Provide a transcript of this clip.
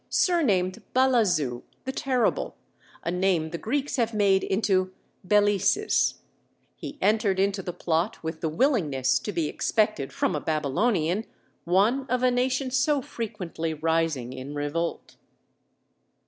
surnamed Balazu (the Terrible), a name the Greeks have made into Belesis; he entered into the plot with the willingness to be expected from a Babylonian, one of a nation so frequently rising in revolt.